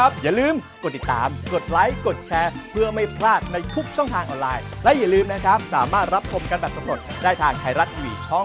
โปรดติดตามตอนต่อสัปดาห์๓๒นโปรดติดตามตอนต่อสัปดาห์๓๒